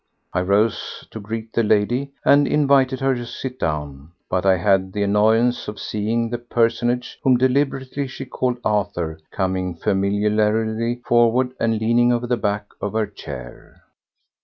I rose to greet the lady and invited her to sit down, but I had the annoyance of seeing the personage whom deliberately she called "Arthur" coming familiarly forward and leaning over the back of her chair.